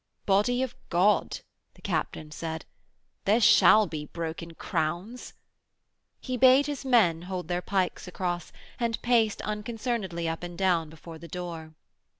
'Body of God,' the captain said, 'there shall be broken crowns.' He bade his men hold their pikes across, and paced unconcernedly up and down before the door.